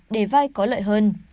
để vai có lợi hơn